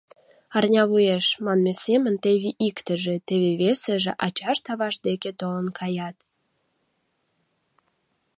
Арня вуеш, манме семын, теве иктыже, теве весыже ачашт-авашт деке толын каят.